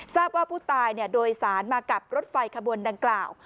ทราบว่าผู้ตายโดยสารมากับรถไฟขบวนดังกล่าว